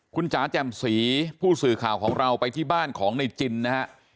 คุณจ๋าแจ่มสีผู้สื่อข่าวของเราไปที่บ้านของในจินนะฮะ